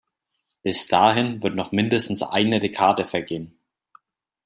Bis dahin wird noch mindestens eine Dekade vergehen.